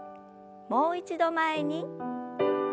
もう一度前に。